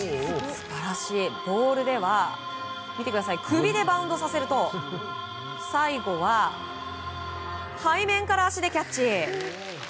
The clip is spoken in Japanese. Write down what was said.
ボールでは首でバウンドさせると最後は背面から足でキャッチ。